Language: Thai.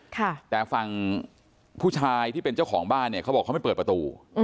แต่ฝั่งผู้ชายที่เป็นเจ้าของบ้านเนี่ยเขาบอกเขาไม่เปิดประตู